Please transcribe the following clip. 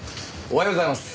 おはようございます。